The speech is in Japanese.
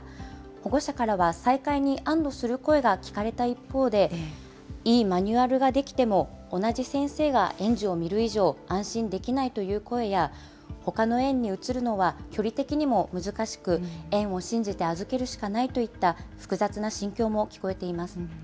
保護者からは、再開に安どする声が聞かれた一方で、いいマニュアルが出来ても、同じ先生が園児を見る以上、安心できないという声や、ほかの園に移るのは距離的にも難しく、園を信じて預けるしかないといった複雑な心境も聞こえています。